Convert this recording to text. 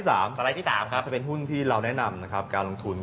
สไลด์ที่๓จะเป็นหุ้นแนะนำการลงทุน